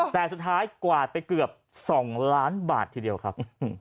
แต่สุดท้ายกวาดไปเกือบ๒ล้านบาททีเดียวครับ